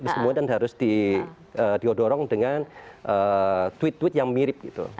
kemudian harus didorong dengan tweet tweet yang mirip gitu